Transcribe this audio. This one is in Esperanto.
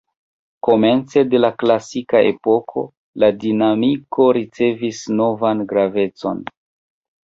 Komence de la klasika epoko la dinamiko ricevis novan gravecon.